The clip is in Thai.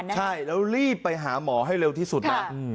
ใช่แล้วรีบไปหาหมอให้เร็วที่สุดนะ